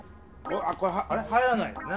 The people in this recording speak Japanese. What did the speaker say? あこれあれ？入らないね。